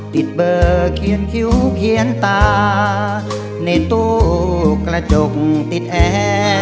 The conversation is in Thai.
ติดเบอร์เขียนคิ้วเขียนตาในตู้กระจกติดแอร์